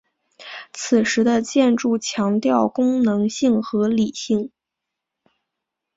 此时的建筑强调功能性和理性。